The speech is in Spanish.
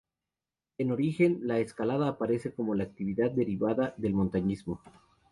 En origen, la escalada aparece como una actividad derivada del montañismo.